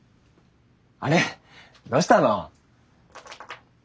あれどうしたの？